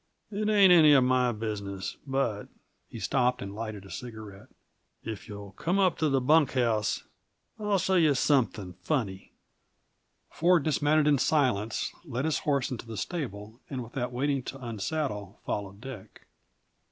"It ain't any of my business, but " He stopped and lighted a cigarette. "If you'll come up to the bunk house, I'll show you something funny!" Ford dismounted in silence, led his horse into the stable, and without waiting to unsaddle, followed Dick.